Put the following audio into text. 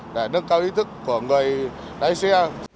để nâng cao ý thức của người lái xe